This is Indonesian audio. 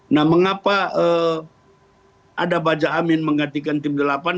nah mengapa ada baja amin menggantikan tim delapan